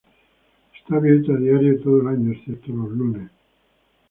Está abierto a diario todo el año, excepto los lunes.